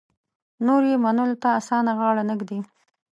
نور یې منلو ته اسانه غاړه نه ږدي.